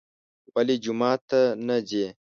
ولې جومات ته نه ځي.